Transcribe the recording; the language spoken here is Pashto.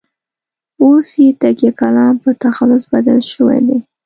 اوس یې تکیه کلام په تخلص بدل شوی دی.